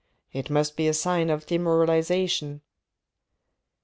It must be a sign of demoralisation."